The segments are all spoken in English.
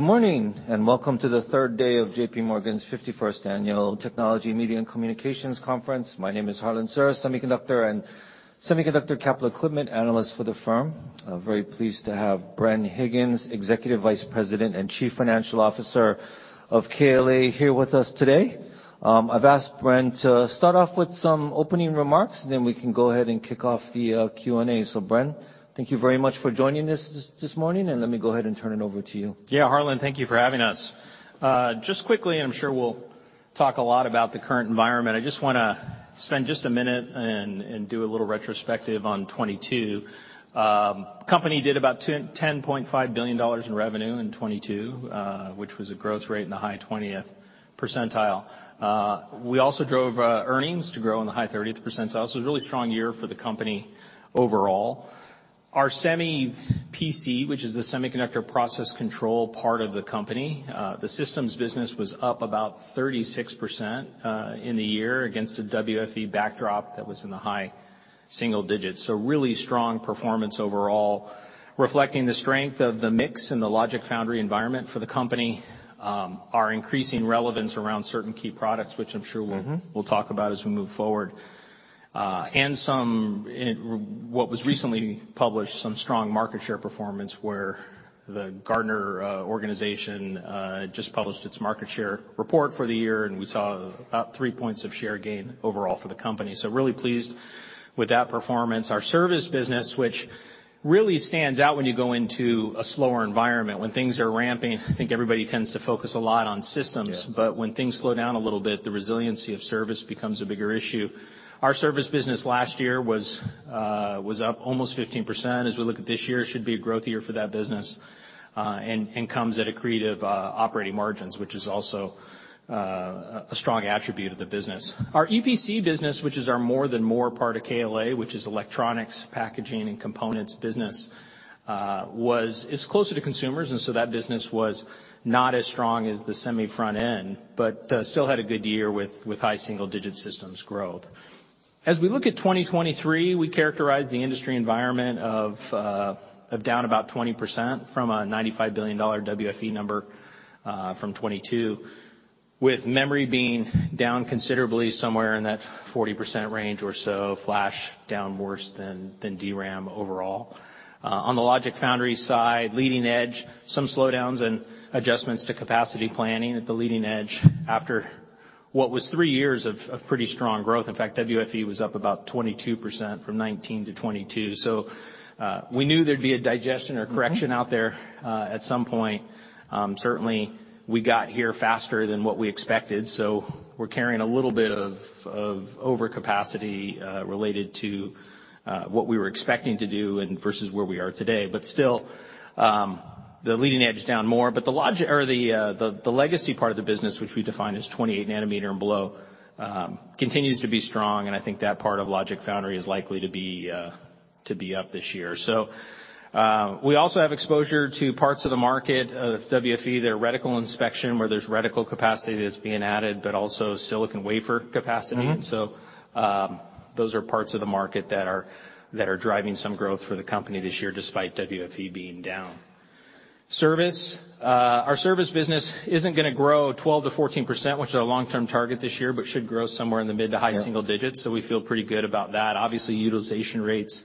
Good morning. Welcome to the third day of J.P. Morgan's 51st annual Technology, Media, and Communications Conference. My name is Harlan Sur, Semiconductor Capital Equipment analyst for the firm. I'm very pleased to have Bren Higgins, Executive Vice President and Chief Financial Officer of KLA, here with us today. I've asked Bren to start off with some opening remarks, and then we can go ahead and kick off the Q&A. Bren, thank you very much for joining us this morning, and let me go ahead and turn it over to you. Yeah, Harlan, thank you for having us. Just quickly, I'm sure we'll talk a lot about the current environment. I just wanna spend just a minute and do a little retrospective on 2022. Company did about $10.5 billion in revenue in 2022, which was a growth rate in the high 20th percentile. We also drove earnings to grow in the high 30th percentile. It was a really strong year for the company overall. Our Semi PC, which is the semiconductor process control part of the company, the systems business was up about 36% in the year against a WFE backdrop that was in the high single digits. Really strong performance overall. Reflecting the strength of the mix in the logic foundry environment for the company, our increasing relevance around certain key products, which I'm sure. Mm-hmm ...we'll talk about as we move forward. What was recently published, some strong market share performance where the Gartner organization just published its market share report for the year, and we saw about 3 points of share gain overall for the company. Really pleased with that performance. Our service business, which really stands out when you go into a slower environment. When things are ramping, I think everybody tends to focus a lot on systems. Yeah. When things slow down a little bit, the resiliency of service becomes a bigger issue. Our service business last year was up almost 15%. We look at this year, it should be a growth year for that business, and comes at accretive operating margins, which is also a strong attribute of the business. Our EPC business, which is our More than Moore part of KLA, which is electronics, packaging, and components business, is closer to consumers, that business was not as strong as the semi front end, but still had a good year with high single-digit systems growth. As we look at 2023, we characterize the industry environment of down about 20% from a $95 billion WFE number from 2022, with memory being down considerably somewhere in that 40% range or so, flash down worse than DRAM overall. On the logic foundry side, leading edge, some slowdowns and adjustments to capacity planning at the leading edge after what was three years of pretty strong growth. In fact, WFE was up about 22% from 2019 to 2022. We knew there'd be a digestion or correction. Mm-hmm ...out there at some point. Certainly we got here faster than what we expected, so we're carrying a little bit of overcapacity related to what we were expecting to do and versus where we are today. But still, the leading edge is down more. But the legacy part of the business, which we define as 28 nanometer and below, continues to be strong, and I think that part of logic foundry is likely to be up this year. So, we also have exposure to parts of the market of WFE. They're reticle inspection, where there's reticle capacity that's being added, but also silicon wafer capacity. Mm-hmm. Those are parts of the market that are, that are driving some growth for the company this year, despite WFE being down. Service. Our service business isn't gonna grow 12%-14%, which is our long-term target this year, but should grow somewhere in the mid to high single digits. Yeah. We feel pretty good about that. Obviously, utilization rates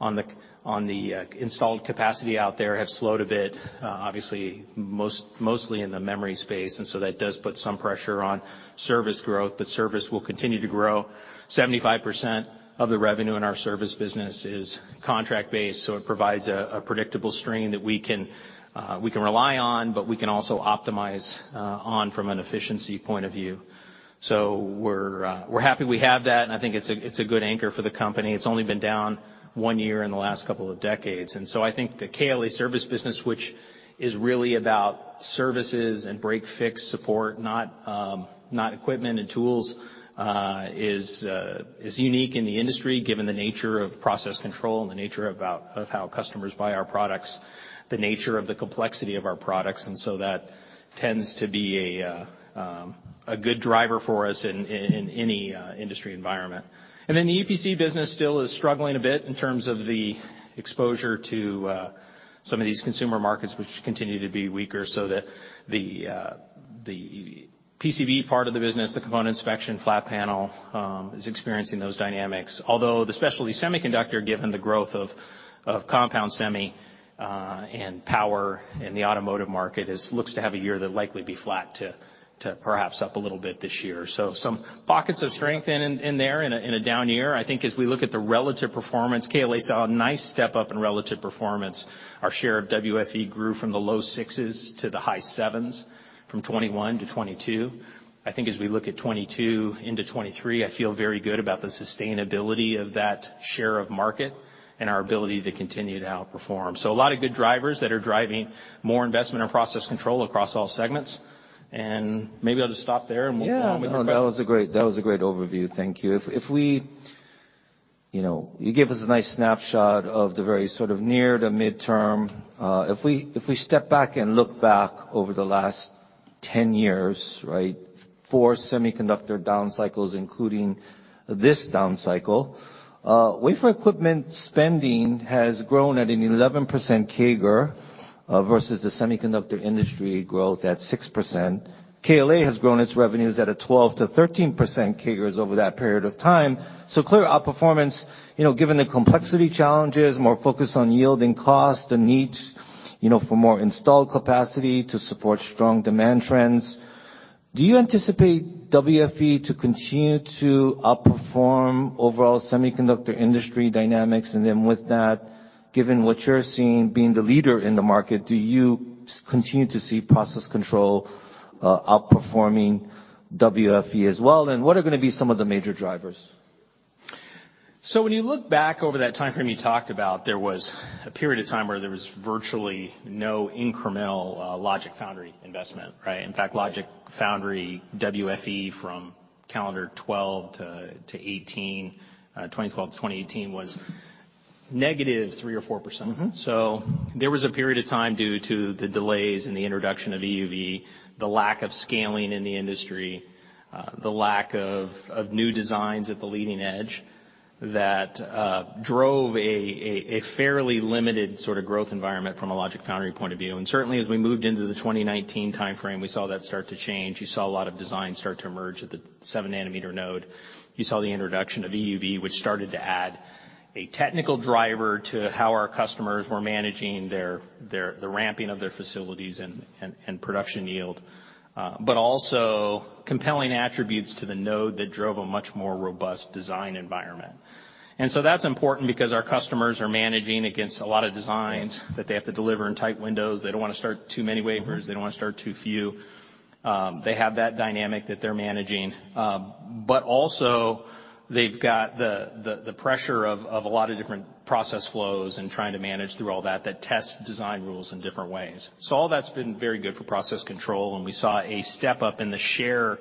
on the installed capacity out there have slowed a bit, obviously mostly in the memory space. That does put some pressure on service growth, but service will continue to grow. 75% of the revenue in our service business is contract-based. It provides a predictable stream that we can rely on, but we can also optimize on from an efficiency point of view. We're happy we have that, and I think it's a good anchor for the company. It's only been down one year in the last couple of decades. I think the KLA service business, which is really about services and break, fix, support, not equipment and tools, is unique in the industry, given the nature of process control and the nature of how customers buy our products, the nature of the complexity of our products. That tends to be a good driver for us in any industry environment. The EPC business still is struggling a bit in terms of the exposure to some of these consumer markets which continue to be weaker. The PCB part of the business, the component inspection flat panel, is experiencing those dynamics. The specialty semiconductor, given the growth of compound semiconductor and power in the automotive market, looks to have a year that'll likely be flat to perhaps up a little bit this year. Some pockets of strength in there in a down year. As we look at the relative performance, KLA saw a nice step up in relative performance. Our share of WFE grew from the low sixes to the high sevens from 2021 to 2022. As we look at 2022 into 2023, I feel very good about the sustainability of that share of market and our ability to continue to outperform. A lot of good drivers that are driving more investment and process control across all segments. Maybe I'll just stop there and move on with the questions. Yeah. No, that was a great overview. Thank you. If we, you know, you gave us a nice snapshot of the very sort of near to midterm. If we, if we step back and look back over the last 10 years, right? Four semiconductor down cycles, including this down cycle. Wafer equipment spending has grown at an 11% CAGR, versus the semiconductor industry growth at 6%. KLA has grown its revenues at a 12%-13% CAGRs over that period of time. Clear outperformance, you know, given the complexity challenges, more focus on yield and cost, the needs, you know, for more installed capacity to support strong demand trends. Do you anticipate WFE to continue to outperform overall semiconductor industry dynamics? With that, given what you're seeing, being the leader in the market, do you continue to see process control outperforming WFE as well? What are gonna be some of the major drivers? When you look back over that timeframe you talked about, there was a period of time where there was virtually no incremental logic foundry investment, right? In fact, logic foundry WFE from calendar 2012 to 2018, 2012 to 2018 was -3% or -4%. Mm-hmm. There was a period of time due to the delays in the introduction of EUV, the lack of scaling in the industry, the lack of new designs at the leading edge that drove a fairly limited sort of growth environment from a logic foundry point of view. Certainly, as we moved into the 2019 timeframe, we saw that start to change. You saw a lot of designs start to emerge at the 7 nanometer node. You saw the introduction of EUV, which started to add a technical driver to how our customers were managing their the ramping of their facilities and production yield. But also compelling attributes to the node that drove a much more robust design environment. That's important because our customers are managing against a lot of designs that they have to deliver in tight windows. They don't wanna start too many wafers. Mm-hmm. They don't wanna start too few. They have that dynamic that they're managing. Also they've got the, the pressure of a lot of different process flows and trying to manage through all that tests design rules in different ways. All that's been very good for process control, and we saw a step-up in the share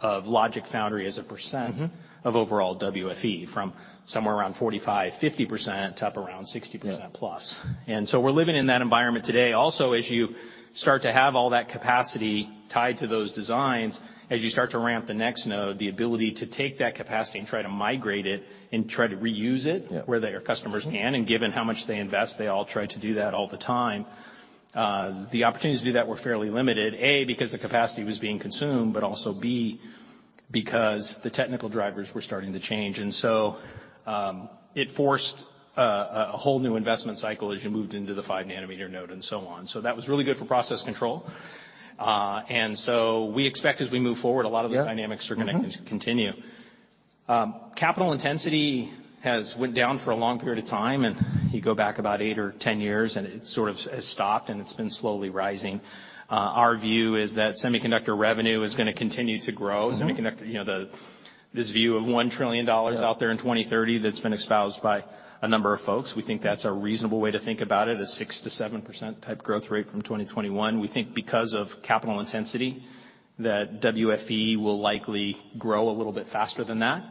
of logic foundry as a. Mm-hmm... of overall WFE from somewhere around 45%, 50% up around 60%+. Yeah. We're living in that environment today. Also, as you start to have all that capacity tied to those designs, as you start to ramp the next node, the ability to take that capacity and try to migrate it and try to reuse it. Yeah... where their customers can, and given how much they invest, they all try to do that all the time. The opportunities to do that were fairly limited A, because the capacity was being consumed, but also B, because the technical drivers were starting to change. It forced a whole new investment cycle as you moved into the 5 nanometer node and so on. That was really good for process control. We expect as we move forward, a lot of- Yeah.... the dynamics are gonna continue. Capital intensity has went down for a long period of time, and you go back about eight or ten years, and it sort of has stopped, and it's been slowly rising. Our view is that semiconductor revenue is gonna continue to grow. Mm-hmm. Semiconductor, you know, the, this view of $1 trillion. Yeah... out there in 2030 that's been espoused by a number of folks. We think that's a reasonable way to think about it, a 6%-7% type growth rate from 2021. We think because of capital intensity, that WFE will likely grow a little bit faster than that.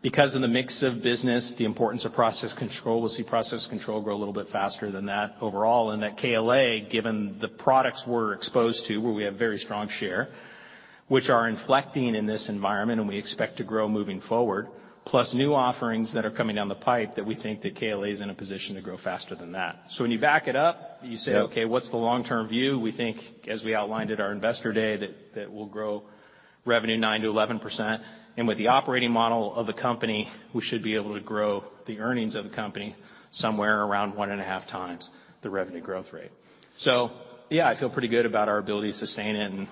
Because of the mix of business, the importance of process control, we'll see process control grow a little bit faster than that overall, and that KLA, given the products we're exposed to, where we have very strong share, which are inflecting in this environment, and we expect to grow moving forward. Plus new offerings that are coming down the pipe that we think that KLA is in a position to grow faster than that. When you back it up, you say... Yeah... okay, what's the long-term view? We think, as we outlined at our investor day, that we'll grow revenue 9%-11%. With the operating model of the company, we should be able to grow the earnings of the company somewhere around 1.5 times the revenue growth rate. Yeah, I feel pretty good about our ability to sustain it.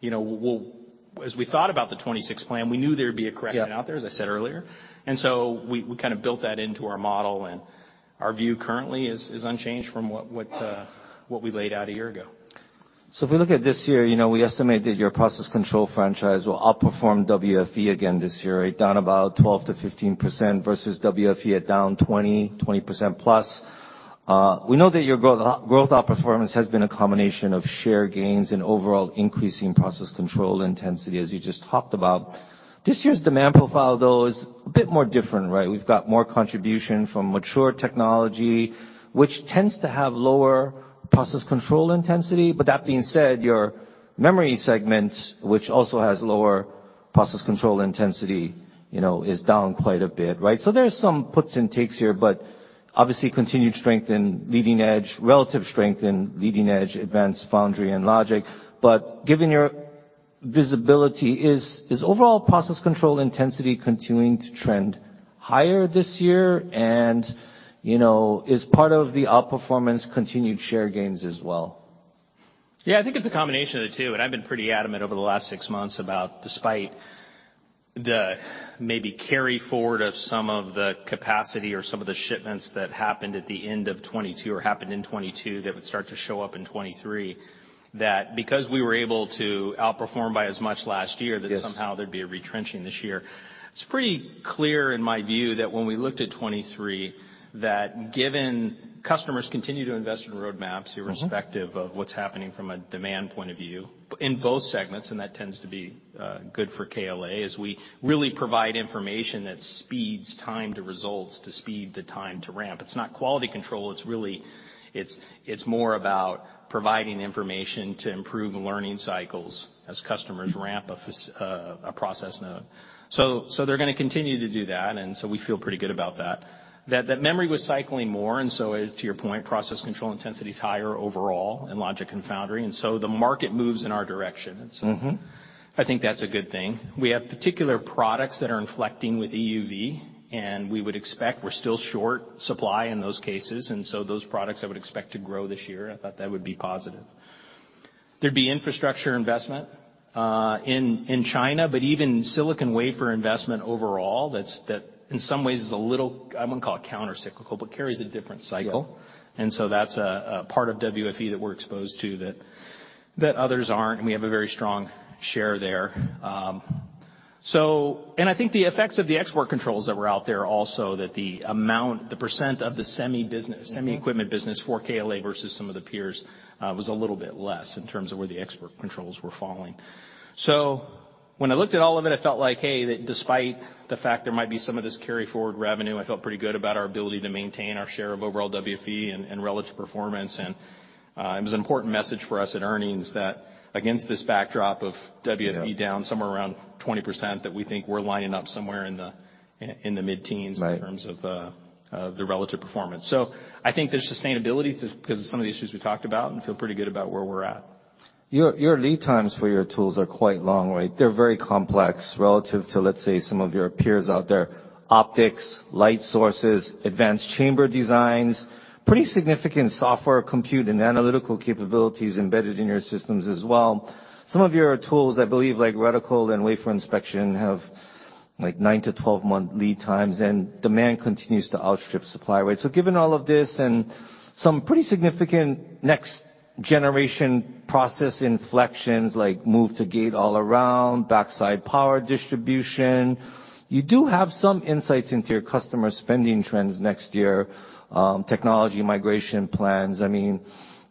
You know, we'll. As we thought about the 2026 plan, we knew there'd be a correction. Yeah... out there, as I said earlier. We kind of built that into our model, and our view currently is unchanged from what we laid out a year ago. If we look at this year, you know, we estimate that your process control franchise will outperform WFE again this year, down about 12%-15% versus WFE at down 20%+. We know that your growth outperformance has been a combination of share gains and overall increasing process control intensity, as you just talked about. This year's demand profile, though, is a bit more different, right? We've got more contribution from mature technology, which tends to have lower process control intensity. That being said, your memory segment, which also has lower process control intensity, you know, is down quite a bit, right? There's some puts and takes here, but obviously continued strength in leading edge, relative strength in leading edge, advanced foundry and logic. Given your visibility, is overall process control intensity continuing to trend higher this year? You know, is part of the outperformance continued share gains as well? Yeah, I think it's a combination of the two, and I've been pretty adamant over the last six months about despite the maybe carry-forward of some of the capacity or some of the shipments that happened at the end of 2022 or happened in 2022 that would start to show up in 2023. That because we were able to outperform by as much last year. Yes... that somehow there'd be a retrenching this year. It's pretty clear in my view that when we looked at 2023, that given customers continue to invest in roadmaps- Mm-hmm... irrespective of what's happening from a demand point of view in both segments. That tends to be good for KLA, as we really provide information that speeds time to results to speed the time to ramp. It's not quality control, it's really, it's more about providing information to improve learning cycles as customers ramp a process node. They're gonna continue to do that. We feel pretty good about that. That memory was cycling more. As to your point, process control intensity is higher overall in logic and foundry. The market moves in our direction. Mm-hmm. I think that's a good thing. We have particular products that are inflecting with EUV. We would expect we're still short supply in those cases. Those products I would expect to grow this year. I thought that would be positive. There'd be infrastructure investment in China, but even silicon wafer investment overall, that in some ways is a little, I wouldn't call it countercyclical, but carries a different cycle. Yeah. That's a part of WFE that we're exposed to that others aren't, and we have a very strong share there. I think the effects of the export controls that were out there also, that the amount, the percent of the Semi business... Mm-hmm. Semi equipment business for KLA versus some of the peers was a little bit less in terms of where the export controls were falling. When I looked at all of it, I felt like, hey, that despite the fact there might be some of this carry-forward revenue, I felt pretty good about our ability to maintain our share of overall WFE and relative performance. It was an important message for us at earnings that against this backdrop of WFE- Yeah... down somewhere around 20% that we think we're lining up somewhere in the, in the mid-teens. Right... in terms of the relative performance. I think there's sustainability 'cause of some of the issues we talked about, and feel pretty good about where we're at. Your, your lead times for your tools are quite long, right? They're very complex relative to, let's say, some of your peers out there, optics, light sources, advanced chamber designs, pretty significant software compute and analytical capabilities embedded in your systems as well. Some of your tools, I believe, like reticle and wafer inspection, have like 9-12 month lead times, and demand continues to outstrip supply, right? Given all of this and some pretty significant next-generation process inflections, like move to Gate-All-Around, backside power delivery, you do have some insights into your customer spending trends next year, technology migration plans. I mean,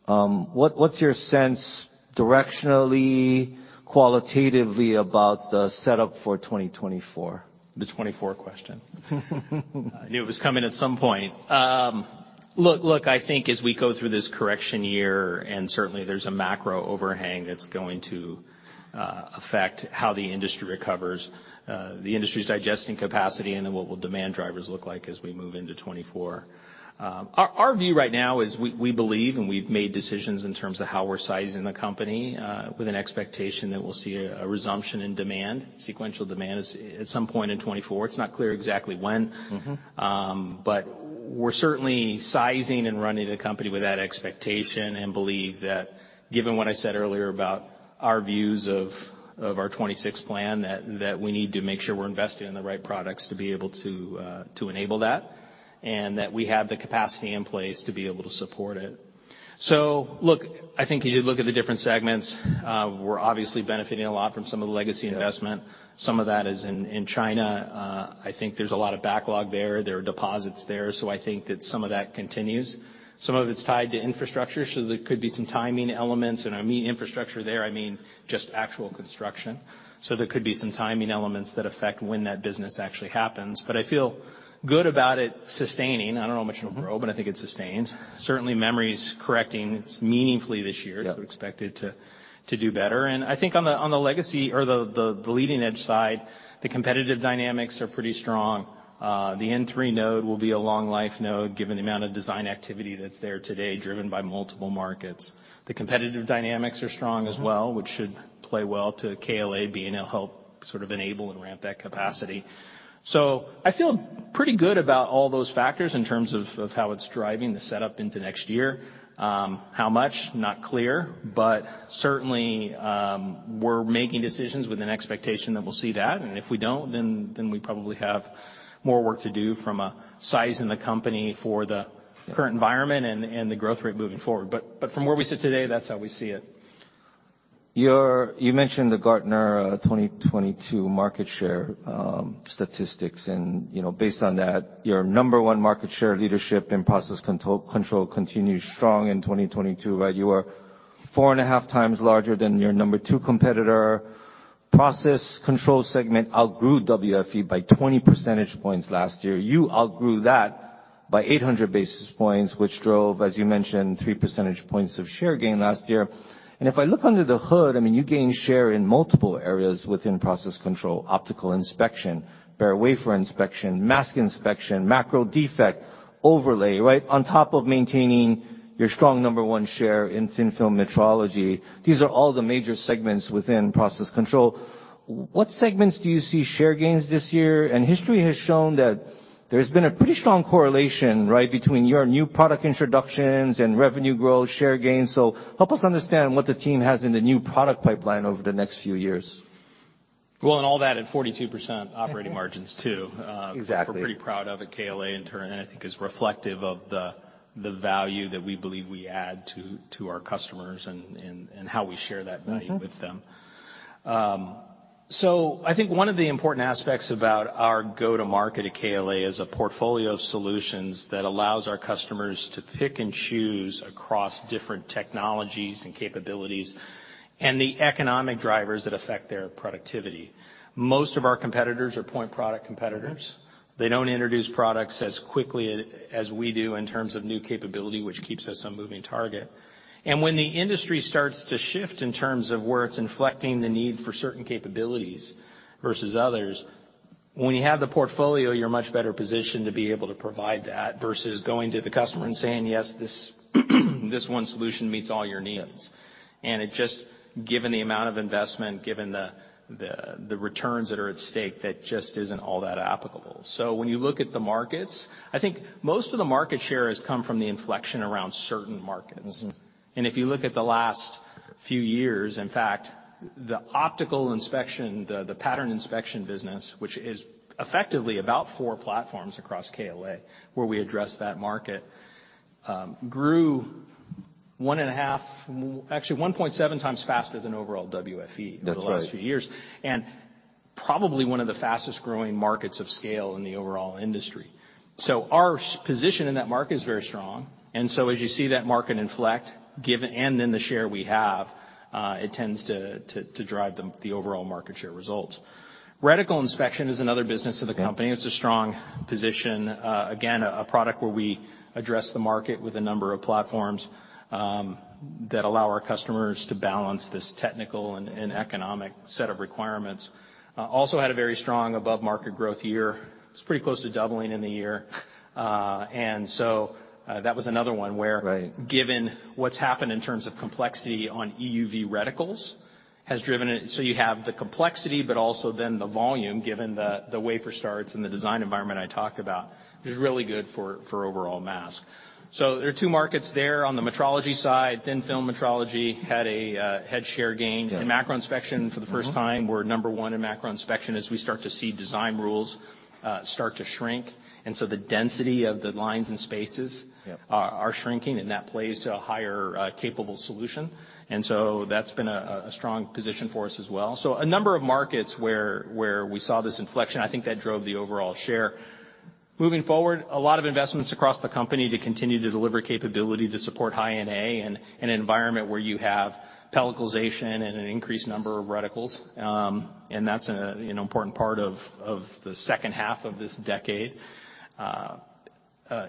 what's your sense directionally, qualitatively about the setup for 2024? The 2024 question. I knew it was coming at some point. Look, look, I think as we go through this correction year, and certainly there's a macro overhang that's going to affect how the industry recovers, the industry's digesting capacity and then what will demand drivers look like as we move into 2024. Our view right now is we believe, and we've made decisions in terms of how we're sizing the company, with an expectation that we'll see a resumption in demand. Sequential demand at some point in 2024. It's not clear exactly when. Mm-hmm. We're certainly sizing and running the company with that expectation and believe that given what I said earlier about our views of our 2026 plan, that we need to make sure we're investing in the right products to be able to enable that, and that we have the capacity in place to be able to support it. Look, I think you look at the different segments, we're obviously benefiting a lot from some of the legacy investment. Yeah. Some of that is in China. I think there's a lot of backlog there. There are deposits there. I think that some of that continues. Some of it's tied to infrastructure, so there could be some timing elements. I mean infrastructure there, I mean, just actual construction. There could be some timing elements that affect when that business actually happens. I feel good about it sustaining. I don't know how much it'll grow, but I think it sustains. Certainly memory's correcting. It's meaningfully this year. Yeah. Expect it to do better. I think on the legacy or the leading edge side, the competitive dynamics are pretty strong. The N3 node will be a long life node given the amount of design activity that's there today driven by multiple markets. The competitive dynamics are strong as well, which should play well to KLA being it'll help sort of enable and ramp that capacity. I feel pretty good about all those factors in terms of how it's driving the setup into next year. How much? Not clear. Certainly, we're making decisions with an expectation that we'll see that, and if we don't, then we probably have more work to do from sizing the company for the current environment and the growth rate moving forward. From where we sit today, that's how we see it. You mentioned the Gartner 2022 market share statistics. You know, based on that, your number one market share leadership in process control continues strong in 2022, right? You are 4.5 times larger than your number two competitor. Process control segment outgrew WFE by 20 percentage points last year. You outgrew that by 800 basis points, which drove, as you mentioned, 3 percentage points of share gain last year. If I look under the hood, I mean, you gained share in multiple areas within process control, optical inspection, bare wafer inspection, mask inspection, macro defect, overlay, right, on top of maintaining your strong number 1 share in thin film metrology. These are all the major segments within process control. What segments do you see share gains this year? History has shown that there's been a pretty strong correlation, right, between your new product introductions and revenue growth, share gains. Help us understand what the team has in the new product pipeline over the next few years? Well, all that at 42% operating margins too. Exactly. We're pretty proud of at KLA, and I think is reflective of the value that we believe we add to our customers and how we share that value with them. I think one of the important aspects about our go-to-market at KLA is a portfolio of solutions that allows our customers to pick and choose across different technologies and capabilities and the economic drivers that affect their productivity. Most of our competitors are point product competitors. They don't introduce products as quickly as we do in terms of new capability, which keeps us on moving target. When the industry starts to shift in terms of where it's inflecting the need for certain capabilities versus others. When you have the portfolio, you're much better positioned to be able to provide that versus going to the customer and saying, "Yes, this one solution meets all your needs." It just, given the amount of investment, given the returns that are at stake, that just isn't all that applicable. When you look at the markets, I think most of the market share has come from the inflection around certain markets. Mm-hmm. If you look at the last few years, in fact, the optical inspection, the pattern inspection business, which is effectively about 4 platforms across KLA, where we address that market, actually 1.7 times faster than overall WFE. That's right. Over the last few years, probably one of the fastest-growing markets of scale in the overall industry. Our position in that market is very strong. As you see that market inflect given. The share we have, it tends to drive the overall market share results. Reticle inspection is another business of the company. Okay. It's a strong position. Again, a product where we address the market with a number of platforms, that allow our customers to balance this technical and economic set of requirements. Also had a very strong above-market growth year. It's pretty close to doubling in the year. That was another one. Right Given what's happened in terms of complexity on EUV reticles has driven it. You have the complexity, but also then the volume, given the wafer starts and the design environment I talked about, is really good for overall mask. There are two markets there. On the metrology side, thin film metrology had share gain. Yeah. In macro inspection, for the first time, we're number one in macro inspection as we start to see design rules start to shrink. The density of the lines and spaces. Yeah are shrinking, and that plays to a higher, capable solution. That's been a strong position for us as well. A number of markets where we saw this inflection, I think that drove the overall share. Moving forward, a lot of investments across the company to continue to deliver capability to support High-NA in an environment where you have pelliclization and an increased number of reticles. That's an important part of the second half of this decade.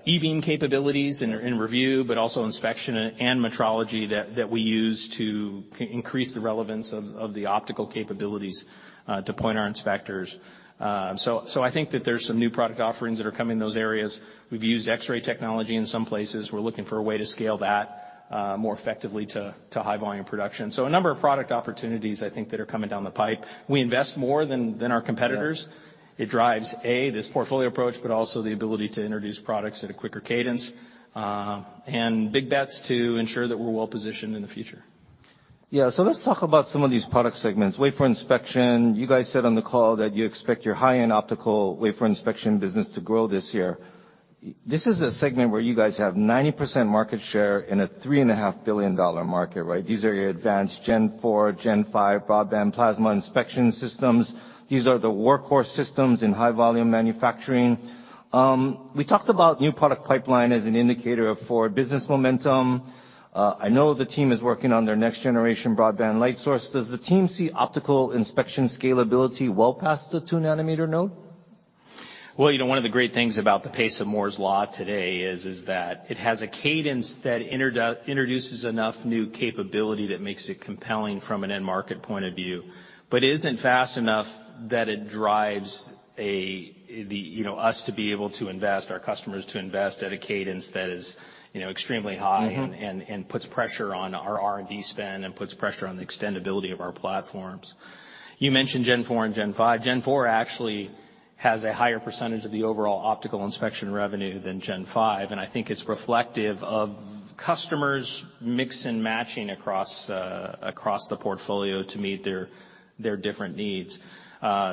E-beam capabilities in review, but also inspection and metrology that we use to increase the relevance of the optical capabilities, to point our inspectors. I think that there's some new product offerings that are coming in those areas. We've used X-ray technology in some places. We're looking for a way to scale that more effectively to high volume production. A number of product opportunities, I think, that are coming down the pipe. We invest more than our competitors. Yeah. It drives, A, this portfolio approach, but also the ability to introduce products at a quicker cadence. Big bets to ensure that we're well-positioned in the future. Let's talk about some of these product segments. Wafer inspection, you guys said on the call that you expect your high-end optical wafer inspection business to grow this year. This is a segment where you guys have 90% market share in a $3.5 billion market, right? These are your advanced Gen4, Gen5 broadband plasma inspection systems. These are the workhorse systems in high volume manufacturing. We talked about new product pipeline as an indicator for business momentum. I know the team is working on their next generation broadband light source. Does the team see optical inspection scalability well past the 2 nanometer node? Well, you know, one of the great things about the pace of Moore's Law today is that it has a cadence that introduces enough new capability that makes it compelling from an end market point of view, but isn't fast enough that it drives you know, us to be able to invest, our customers to invest at a cadence that is, you know, extremely high. Mm-hmm puts pressure on our R&D spend and puts pressure on the extendibility of our platforms. You mentioned Gen4 and Gen5. Gen4 actually has a higher percentage of the overall optical inspection revenue than Gen5, and I think it's reflective of customers mix and matching across the portfolio to meet their different needs.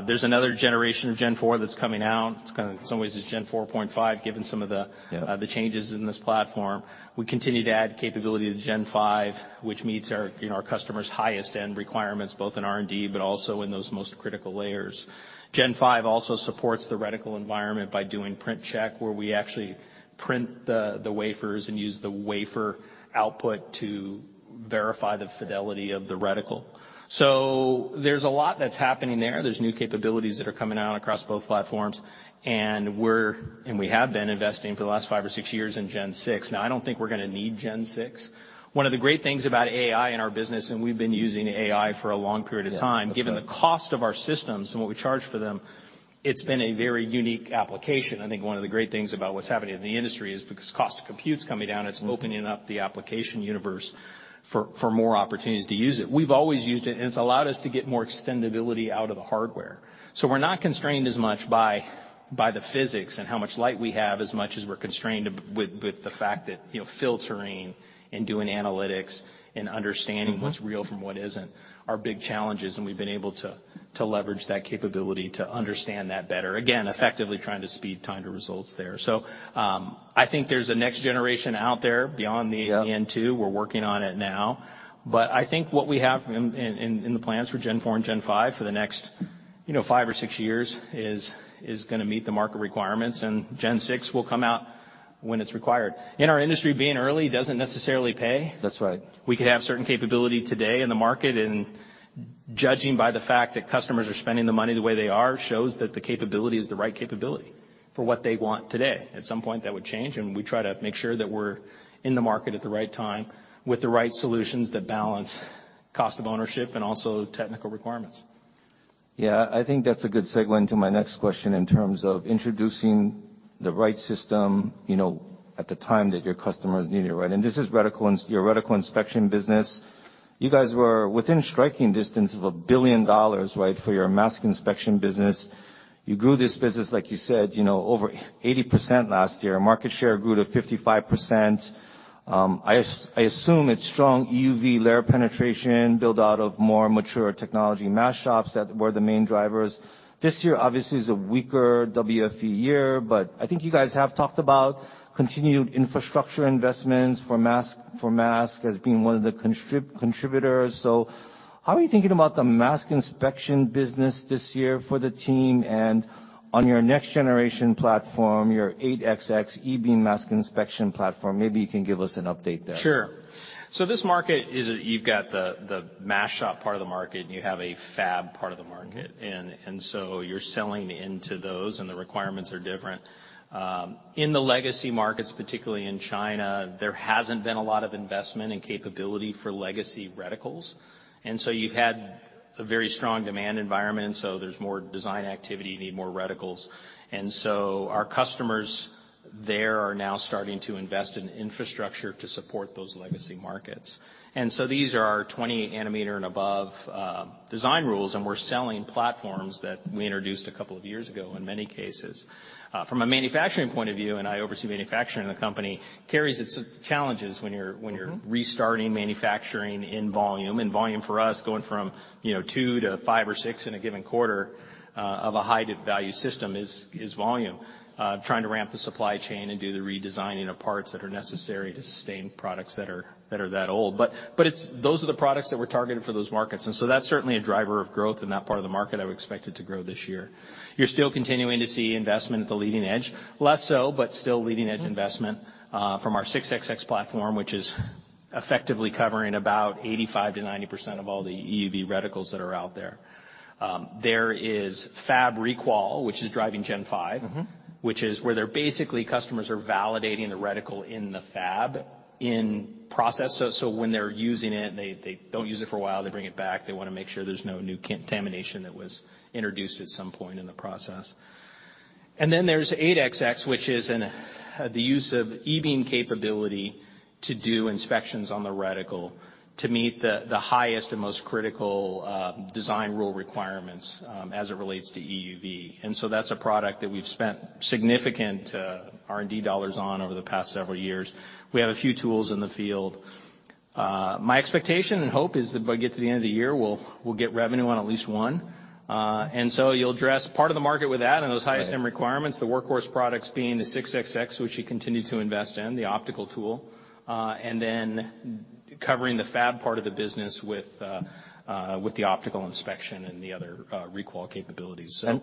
There's another generation of Gen4 that's coming out. It's kinda, in some ways it's Gen 4.5, given some of the. Yeah The changes in this platform. We continue to add capability to Gen5, which meets our, you know, our customers' highest end requirements, both in R&D, but also in those most critical layers. Gen5 also supports the reticle environment by doing print check, where we actually print the wafers and use the wafer output to verify the fidelity of the reticle. There's a lot that's happening there. There's new capabilities that are coming out across both platforms, and we have been investing for the last five or six years in Gen6. I don't think we're gonna need Gen6. One of the great things about AI in our business, and we've been using AI for a long period of time. Yeah. That's right. Given the cost of our systems and what we charge for them, it's been a very unique application. I think one of the great things about what's happening in the industry is because cost of compute's coming down, it's opening up the application universe for more opportunities to use it. We've always used it, and it's allowed us to get more extendibility out of the hardware. We're not constrained as much by the physics and how much light we have, as much as we're constrained with the fact that, you know, filtering and doing analytics and understanding... Mm-hmm what's real from what isn't, are big challenges. We've been able to leverage that capability to understand that better. Again... Yeah effectively trying to speed time to results there. I think there's a next generation out there beyond. Yeah The N2. We're working on it now. I think what we have in the plans for Gen4 and Gen5 for the next, you know, five or six years is gonna meet the market requirements. Gen6 will come out when it's required. In our industry, being early doesn't necessarily pay. That's right. We could have certain capability today in the market. Judging by the fact that customers are spending the money the way they are, shows that the capability is the right capability. For what they want today. At some point, that would change. We try to make sure that we're in the market at the right time with the right solutions that balance cost of ownership and also technical requirements. I think that's a good segue into my next question in terms of introducing the right system, you know, at the time that your customers need it, right? This is your reticle inspection business. You guys were within striking distance of $1 billion, right, for your mask inspection business. You grew this business, like you said, you know, over 80% last year. Market share grew to 55%. I assume it's strong EUV layer penetration build out of more mature technology mask shops that were the main drivers. This year obviously is a weaker WFE year, but I think you guys have talked about continued infrastructure investments for mask as being one of the contributors. How are you thinking about the mask inspection business this year for the team? On your next generation platform, your 8xx e-beam mask inspection platform, maybe you can give us an update there. Sure. This market is, you've got the mask shop part of the market, and you have a fab part of the market. You're selling into those, and the requirements are different. In the legacy markets, particularly in China, there hasn't been a lot of investment and capability for legacy reticles. You've had a very strong demand environment, so there's more design activity, you need more reticles. Our customers there are now starting to invest in infrastructure to support those legacy markets. These are our 20 nanometer and above design rules, and we're selling platforms that we introduced a couple of years ago in many cases. From a manufacturing point of view, and I oversee manufacturing in the company, carries its challenges. Mm-hmm. When you're restarting manufacturing in volume, and volume for us, going from, you know, two to five or six in a given quarter, of a high value system is volume. Trying to ramp the supply chain and do the redesigning of parts that are necessary to sustain products that are that old. Those are the products that we're targeted for those markets, and so that's certainly a driver of growth in that part of the market I would expect it to grow this year. You're still continuing to see investment at the leading edge. Less so, but still leading edge investment from our Teron 6xx platform, which is effectively covering about 85%-90% of all the EUV reticles that are out there. There is fab requalification, which is driving Gen5. Mm-hmm. Which is where they're basically customers are validating the reticle in the fab in process. So when they're using it and they don't use it for a while, they bring it back, they wanna make sure there's no new contamination that was introduced at some point in the process. Then there's 8xx, which is the use of e-beam capability to do inspections on the reticle to meet the highest and most critical design rule requirements as it relates to EUV. That's a product that we've spent significant R&D dollars on over the past several years. We have a few tools in the field. My expectation and hope is that by get to the end of the year, we'll get revenue on at least one. You'll address part of the market with that and those highest... Right. -end requirements, the workhorse products being the Teron 6xx, which you continue to invest in, the optical tool, and then covering the fab part of the business with the optical inspection and the other requal capabilities and...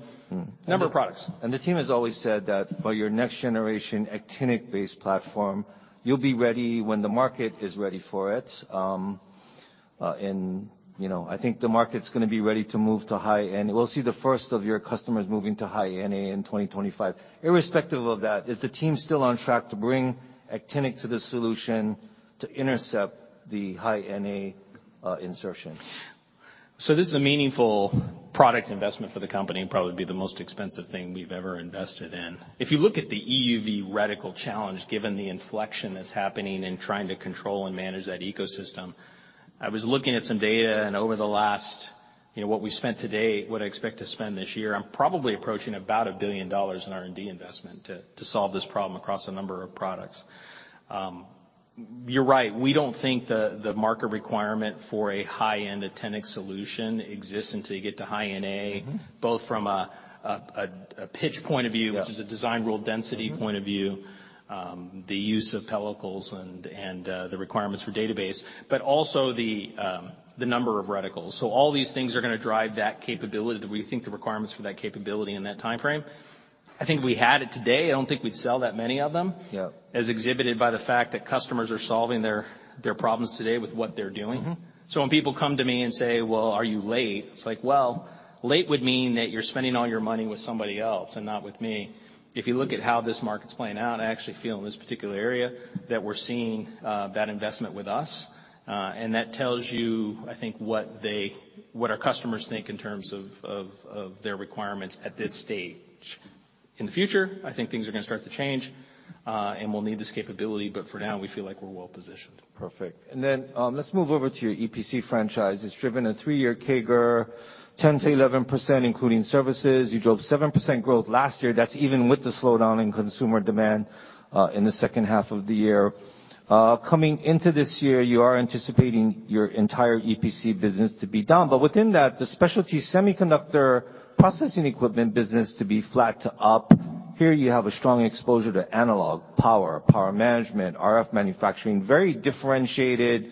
Number of products. The team has always said that for your next generation actinic-based platform, you'll be ready when the market is ready for it. you know, I think the market's gonna be ready to move to high-end. We'll see the first of your customers moving to High-NA in 2025. Irrespective of that, is the team still on track to bring actinic to the solution to intercept the High-NA insertion? This is a meaningful product investment for the company, and probably be the most expensive thing we've ever invested in. If you look at the EUV reticle challenge, given the inflection that's happening and trying to control and manage that ecosystem, I was looking at some data, and over the last, you know, what we've spent to date, what I expect to spend this year, I'm probably approaching about $1 billion in R&D investment to solve this problem across a number of products. You're right, we don't think the market requirement for a high-end actinic solution exists until you get to High-NA. Mm-hmm. Both from a pitch point of view. Yep. Which is a design rule density. Mm-hmm. -point of view, the use of pellicles and the requirements for database, but also the number of reticles. All these things are gonna drive that capability that we think the requirements for that capability in that timeframe. I think if we had it today, I don't think we'd sell that many of them. Yep. As exhibited by the fact that customers are solving their problems today with what they're doing. Mm-hmm. When people come to me and say, "Well, are you late?" it's like, well, late would mean that you're spending all your money with somebody else and not with me. If you look at how this market's playing out, I actually feel in this particular area that we're seeing that investment with us. That tells you, I think, what our customers think in terms of their requirements at this stage. In the future, I think things are gonna start to change, and we'll need this capability, but for now we feel like we're well positioned. Perfect. Let's move over to your EPC franchise. It's driven a three-year CAGR, 10%-11%, including services. You drove 7% growth last year. That's even with the slowdown in consumer demand in the second half of the year. Coming into this year, you are anticipating your entire EPC business to be down. Within that, the specialty semiconductor processing equipment business to be flat to up. Here you have a strong exposure to analog, power management, RF manufacturing, very differentiated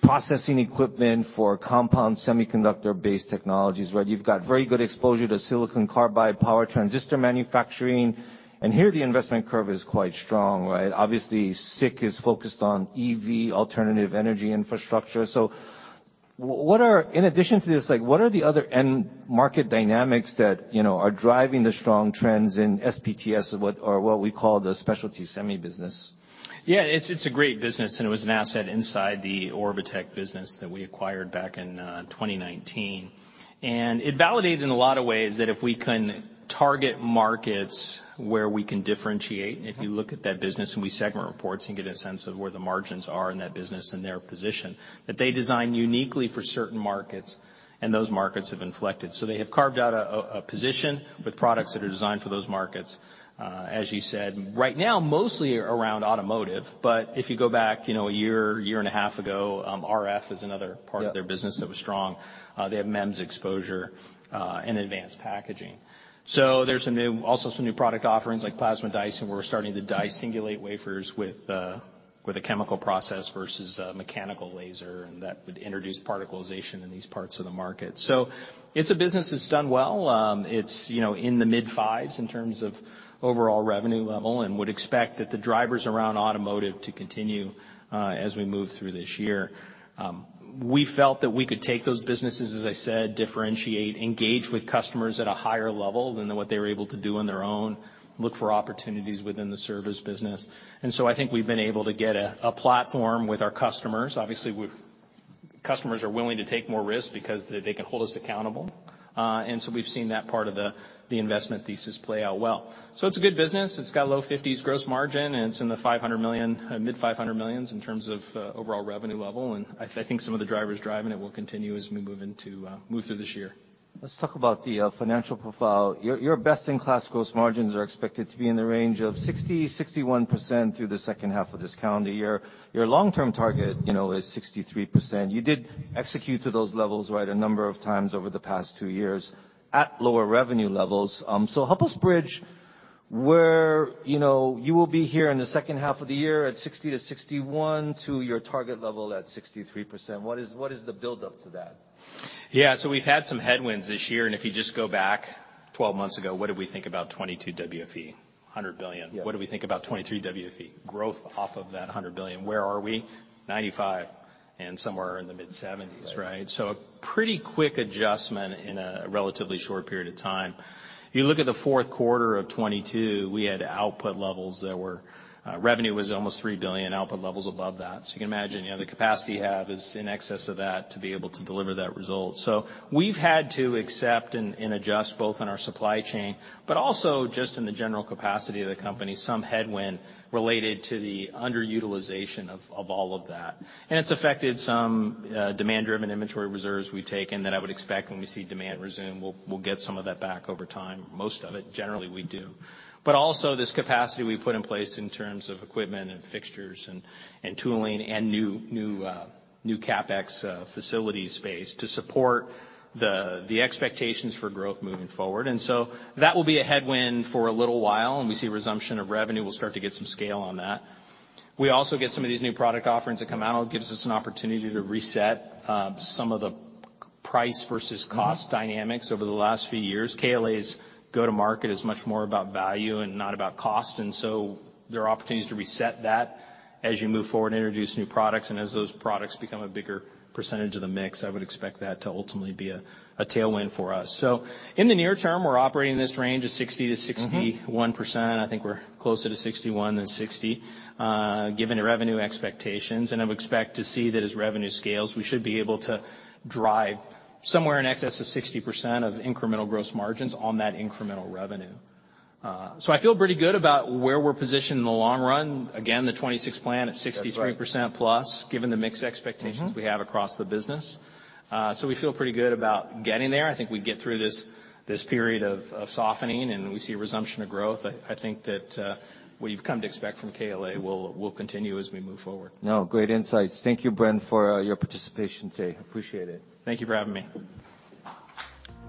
processing equipment for compound semiconductor-based technologies, right? You've got very good exposure to silicon carbide power transistor manufacturing, here the investment curve is quite strong, right? Obviously, SiC is focused on EV alternative energy infrastructure. What are, in addition to this, like what are the other end market dynamics that, you know are driving the strong trends in SPTS or what, or what we call the specialty semi business? It's a great business. It was an asset inside the Orbotech business that we acquired back in 2019. It validated in a lot of ways that if we can target markets where we can differentiate. If you look at that business and we segment reports and get a sense of where the margins are in that business and their position, that they design uniquely for certain markets, and those markets have inflected. They have carved out a position with products that are designed for those markets. As you said, right now, mostly around automotive, but if you go back, you know, a year and a half ago, RF is another part- Yeah. of their business that was strong. They have MEMS exposure and advanced packaging. There's also some new product offerings like plasma dicing, where we're starting to singulation wafers with a chemical process versus a mechanical laser, and that would introduce particlization in these parts of the market. It's a business that's done well. It's, you know, in the mid fives in terms of overall revenue level, and would expect that the drivers around automotive to continue as we move through this year. We felt that we could take those businesses, as I said, differentiate, engage with customers at a higher level than what they were able to do on their own, look for opportunities within the service business. I think we've been able to get a platform with our customers. Obviously, customers are willing to take more risks because they can hold us accountable. We've seen that part of the investment thesis play out well. It's a good business. It's got a low fifties gross margin, and it's in the $500 million, mid-$500 millions in terms of overall revenue level. I think some of the drivers driving it will continue as we move into, move through this year. Let's talk about the financial profile. Your best in class gross margins are expected to be in the range of 60%-61% through the second half of this calendar year. Your long-term target, you know, is 63%. You did execute to those levels, right, a number of times over the past two years at lower revenue levels. Help us bridge where, you know, you will be here in the second half of the year at 60%-61% to your target level at 63%. What is the buildup to that? Yeah. We've had some headwinds this year, and if you just go back 12 months ago, what did we think about 2022 WFE? $100 billion. Yeah. What do we think about 2023 WFE? Growth off of that $100 billion. Where are we? $95 billion and somewhere in the mid-$70s billion. Right? Right. A pretty quick adjustment in a relatively short period of time. You look at the fourth quarter of 2022, we had output levels that were, revenue was almost $3 billion, output levels above that. You can imagine, you know, the capacity you have is in excess of that to be able to deliver that result. We've had to accept and adjust, both in our supply chain, but also just in the general capacity of the company, some headwind related to the underutilization of all of that. It's affected some demand driven inventory reserves we've taken that I would expect when we see demand resume, we'll get some of that back over time. Most of it, generally, we do. Also this capacity we've put in place in terms of equipment and fixtures and tooling and new CapEx facility space to support the expectations for growth moving forward. That will be a headwind for a little while, and we see resumption of revenue, we'll start to get some scale on that. We also get some of these new product offerings that come out, gives us an opportunity to reset some of the price versus cost... Mm-hmm. -dynamics over the last few years. KLA's go to market is much more about value and not about cost. There are opportunities to reset that as you move forward and introduce new products, and as those products become a bigger percentage of the mix, I would expect that to ultimately be a tailwind for us. In the near term, we're operating this range of 60 to 60- Mm-hmm. -1%. I think we're closer to 61 than 60, given the revenue expectations. I would expect to see that as revenue scales, we should be able to drive somewhere in excess of 60% of incremental gross margins on that incremental revenue. I feel pretty good about where we're positioned in the long run. Again, the 2026 plan at 63%+, That's right. ...given the mix expectations, Mm-hmm. we have across the business. We feel pretty good about getting there. I think we get through this period of softening and we see resumption of growth. I think that what you've come to expect from KLA will continue as we move forward. No, great insights. Thank you, Bren, for your participation today. Appreciate it. Thank you for having me.